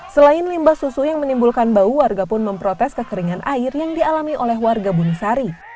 selain limbah susu yang menimbulkan bau warga pun memprotes kekeringan air yang dialami oleh warga bunisari